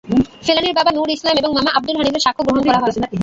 ফেলানীর বাবা নুর ইসলাম এবং মামা আবদুল হানিফের সাক্ষ্য গ্রহণ করা হয়।